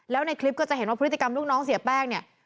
แล้วในคลิปก็จะเห็นว่าพฤติกรรมลูกน้องเสียแป้งเนี่ย